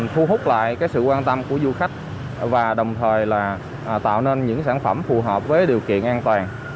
thu hút lại sự quan tâm của du khách và đồng thời là tạo nên những sản phẩm phù hợp với điều kiện an toàn